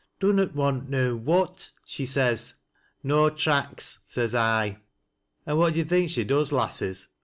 ' Dunnot want no what ?' she says. ' No tracks,' says I. And what do yo' think she does, lasses?